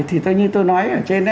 thì thôi như tôi nói ở trên